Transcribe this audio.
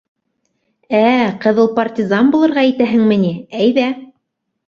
— Ә-ә... ҡыҙыл партизан булырға итәһеңме ни, әйҙә.